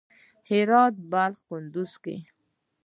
هرات، بلخ او کندز کې